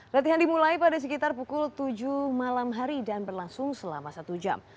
latihan dimulai pada sekitar pukul tujuh malam hari dan berlangsung selama satu jam